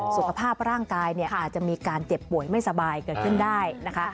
สุขภาพร่างกายเนี่ยอาจจะมีการเจ็บป่วยไม่สบายเกิดขึ้นได้นะคะ